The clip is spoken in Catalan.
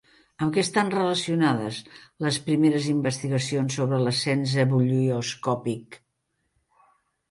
Amb què estan relacionades les primeres investigacions sobre l'ascens ebullioscòpic?